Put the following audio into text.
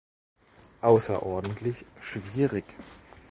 Außerordentlich schwierig!